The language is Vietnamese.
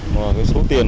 và cái số tiền